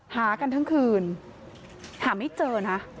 หากันทั้งคืนหาไม่เจอนะ